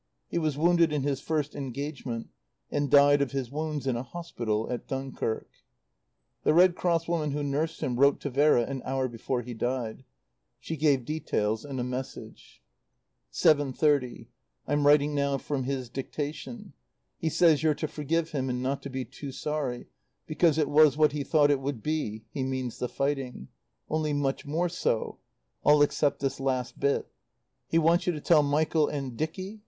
He was wounded in his first engagement, and died of his wounds in a hospital at Dunkirk. The Red Cross woman who nursed him wrote to Vera an hour before he died. She gave details and a message. "7.30. I'm writing now from his dictation. He says you're to forgive him and not to be too sorry, because it was what he thought it would be (he means the fighting) only much more so all except this last bit. "He wants you to tell Michael and Dicky?